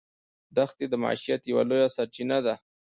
دښتې د معیشت یوه لویه سرچینه ده.